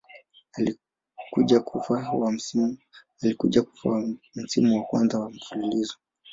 Alikuja kufa wa msimu wa kwanza wa mfululizo.